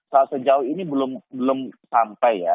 sejauh ini belum sampai ya